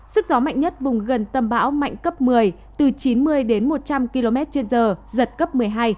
sức gió mạnh nhất vùng gần tâm bão mạnh cấp một mươi từ chín mươi đến một trăm linh km trên giờ giật cấp một mươi hai